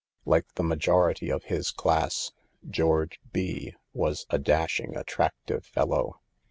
Like the majority of his class, George B was a dashing, attractive fellow.